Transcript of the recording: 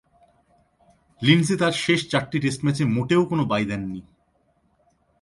Lindsay তার শেষ চারটি টেস্ট ম্যাচে মোটেও কোনো বাই দেননি।